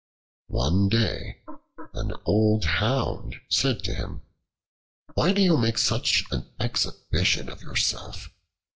One day an old hound said to him: "Why do you make such an exhibition of yourself?